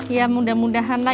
ya mudah mudahan lah